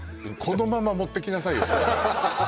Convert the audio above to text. このまま持ってきなさいよ